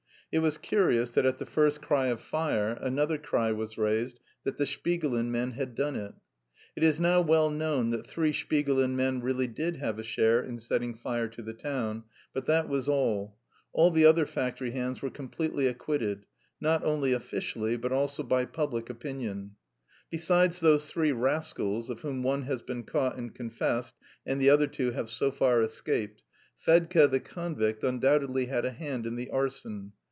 It was curious that at the first cry of "fire" another cry was raised that the Shpigulin men had done it. It is now well known that three Shpigulin men really did have a share in setting fire to the town, but that was all; all the other factory hands were completely acquitted, not only officially but also by public opinion. Besides those three rascals (of whom one has been caught and confessed and the other two have so far escaped), Fedka the convict undoubtedly had a hand in the arson.